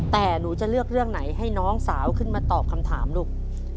แต่หนูจะเลือกเรื่องไหนให้น้องสาวขึ้นมาตอบคำถามลูก